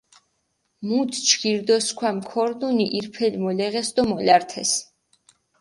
მუთ ჯგირი დო სქვამი ქორდუნი ირფელი მოლეღეს დო მოლართეს.